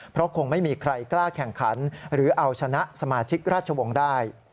เพราะคงไม่มีใครกล้าแข่งขันหรือเอาชนะสมาชิกราชวงศ์ได้